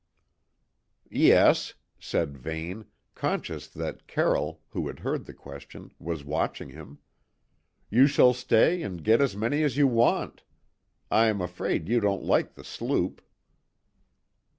"Yes," said Vane, conscious that Carroll, who had heard the question, was watching him. "You shall stay and get as many as you want. I'm afraid you don't like the sloop."